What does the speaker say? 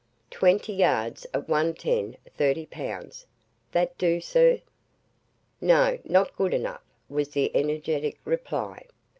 "Twenty yards at one ten thirty pounds. That do, Sir?" "No; not good enough!" was the energetic reply.